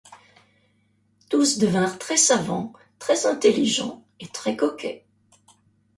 Tous devinrent très savants, très intelligents et très coquets.